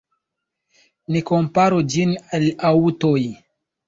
Ni komparu ĝin al aŭtoj.